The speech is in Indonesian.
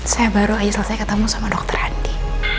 saya baru aja selesai ketemu sama dokter andi